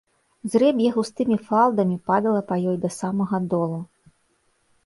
Зрэб'е густымі фалдамі падала па ёй да самага долу.